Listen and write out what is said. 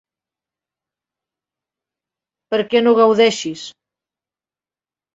Per què no gaudeixis?